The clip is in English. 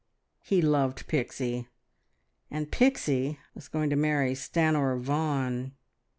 He loved Pixie, and Pixie was going to marry Stanor Vaughan...